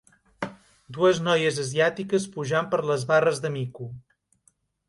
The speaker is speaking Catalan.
dues noies asiàtiques pujant per les barres de mico.